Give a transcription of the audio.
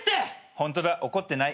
ホントだ怒ってない。